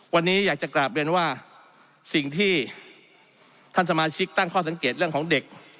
วันนี้อยากจะกลับเรียนว่าสิ่งที่ท่านสมาชิกตั้งข้อสังเกตเรื่องของเด็ก